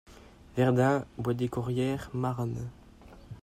Verdun...Bois des Caurières...Marne...